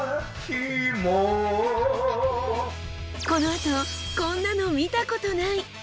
このあとこんなの見たことない！